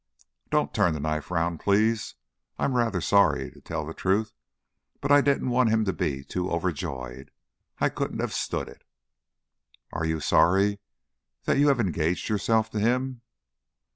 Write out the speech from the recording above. "Don't turn the knife round, please. I'm rather sorry, to tell the truth, but I didn't want him to be too overjoyed. I couldn't have stood it." "Are you sorry that you have engaged yourself to him?"